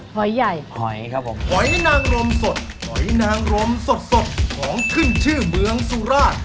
หอยใหญ่หอยครับผมหอยนางรมสดหอยนางรมสดสดของขึ้นชื่อเมืองสุราช